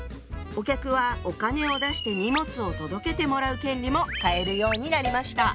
お客はお金を出して荷物を届けてもらう権利も買えるようになりました。